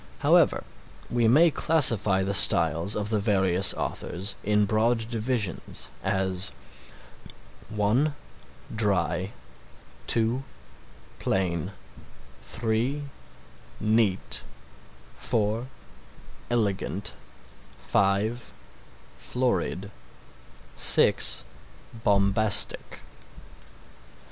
However, we may classify the styles of the various authors in broad divisions as (1) dry, (2) plain, (3) neat, (4) elegant, (5) florid, (6) bombastic.